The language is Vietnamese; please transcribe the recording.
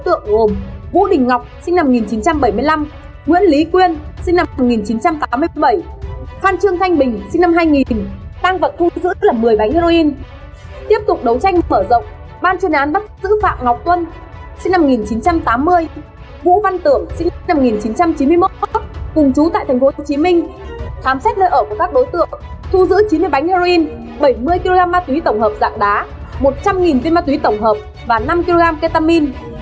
trần quốc khánh sinh năm một nghìn chín trăm chín mươi ba cả hai đều trú tại tp hcm thu giữ một mươi chín năm kg ma túy tổng hợp các loại